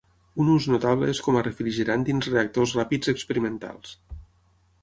Un ús notable és com a refrigerant dins reactors ràpids experimentals.